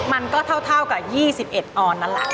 มันก็เท่ากับ๒๑ออนนั่นแหละ